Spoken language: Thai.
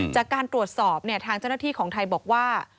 จากการตรวจสอบทางเจ้าหน้าที่ของไทยบอกว่า